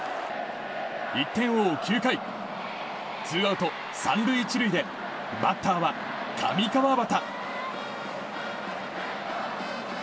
１点を追う９回ツーアウト３塁１塁でバッターは、上川畑。